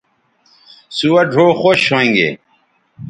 سوہ ڙھؤ خوش ھویں گے